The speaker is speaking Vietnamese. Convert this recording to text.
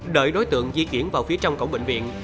đợi đối tượng di chuyển vào phía trong cổng bệnh viện